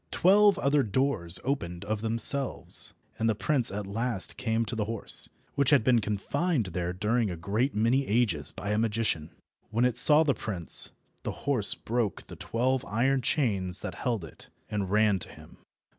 Twelve other doors opened of themselves, and the prince at last came to the horse, which had been confined there during a great many ages by a magician. When it saw the prince, the horse broke the twelve iron chains that held it, and ran to him.